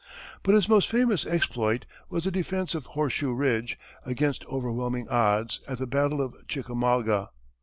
But his most famous exploit was the defence of Horseshoe ridge, against overwhelming odds, at the battle of Chickamauga.